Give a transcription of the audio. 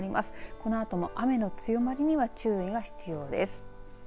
このあとも雨の強まりには注意が必要です。